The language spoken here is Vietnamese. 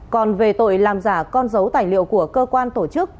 còn về tội làm giả con dấu tài liệu của cơ quan tổ chức